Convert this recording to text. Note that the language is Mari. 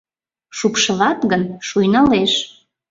Шупшылат гын, шуйналеш.